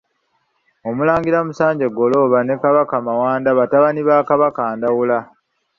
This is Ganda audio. Omulangira Musanje Ggolooba ne Kabaka Mawanda batabani ba Kabaka Ndawula.